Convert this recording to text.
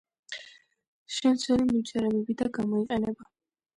შემცველი ნივთიერებები და გამოყენება.